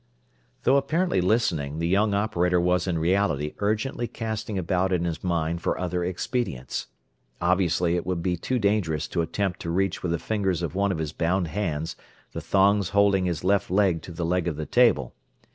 Though apparently listening, the young operator was in reality urgently casting about in his mind for other expedients. Obviously it would be too dangerous to attempt to reach with the fingers of one of his bound hands the thongs holding his left leg to the leg of the table.